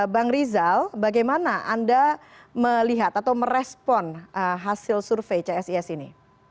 bang rizal bagaimana anda melihat atau merespon hasil survei csis ini